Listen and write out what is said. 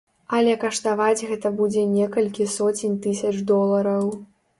Але каштаваць гэта будзе некалькі соцень тысяч долараў.